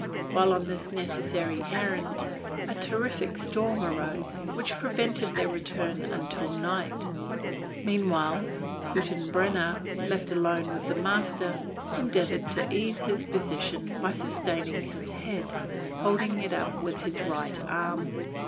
While on this necessary errand, a terrific storm arose, which prevented their return until night. Meanwhile, Hüttenbrenner, left alone with the master, endeavored to ease his position by sustaining his head, holding it up with his right arm.